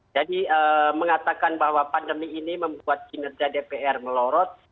jadi mengatakan bahwa pandemi ini membuat kinerja dpr melorot